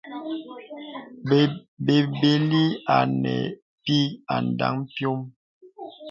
Bɛbɛlì à nə̄ nə̀ pìì à dāŋ piɔŋ.